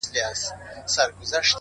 هر منزل د نوي سفر پیل وي،